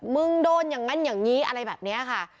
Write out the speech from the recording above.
มึงโดนอย่างนั้นอย่างนี้อะไรแบบนี้ค่ะ